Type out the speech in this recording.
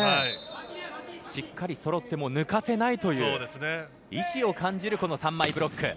しっかりそろっても抜かせないという意思を感じる３枚ブロック。